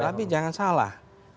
tapi jangan salah